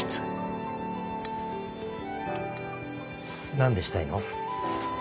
何でしたいの？